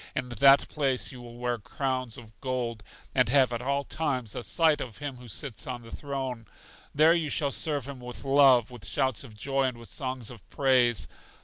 In that place you will wear crowns of gold, and have at all times a sight of Him who sits on the throne. There you shall serve Him with love, with shouts of joy and with songs of praise.